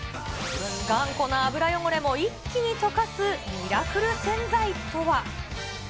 頑固な油汚れも一気に溶かすミラクル洗剤とは？